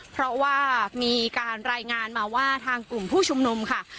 เพราะว่ามีการรายงานมาว่าทางกลุ่มผู้ชุมนุมค่ะ